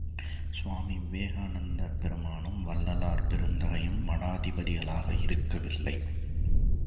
சுவாமி விவேகானந்தர் பெருமானும், வள்ளலார் பெருந்தகையும் மடாதிபதிகளாய் இருக்கவில்லை!